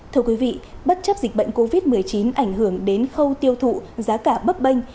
thưa quý vị bất chấp dịch bệnh covid một mươi chín ảnh hưởng đến khâu tiêu thụ giá cả bấp bênh